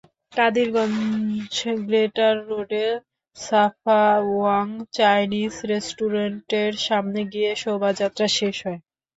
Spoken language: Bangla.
কাদিরগঞ্জ গ্রেটার রোডে সাফাওয়াং চায়নিজ রেস্টুরেন্টের সামনে গিয়ে শোভাযাত্রা শেষ হয়।